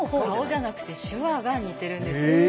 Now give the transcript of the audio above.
顔じゃなくて手話が似てるんです。